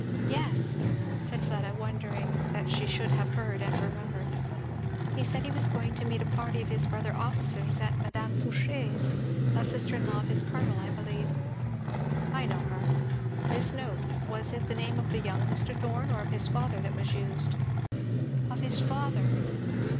"Yes!" said Fleda, wondering that she should have heard and remembered, "he said he was going to meet a party of his brother officers at Mme. Fouché's a sister in law of his Colonel, I believe." "I know her. This note was it the name of the young Mr. Thorn, or of his father that was used?" "Of his father!